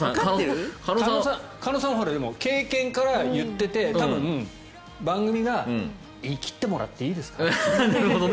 鹿野さんは経験から言っていて多分、番組が言い切ってもらっていいですからって言ってる。